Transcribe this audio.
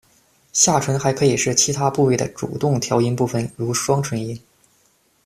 下唇还可以是其他部位的主动调音部位，如双唇音。